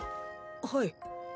はい。